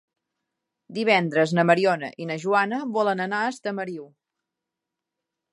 Divendres na Mariona i na Joana volen anar a Estamariu.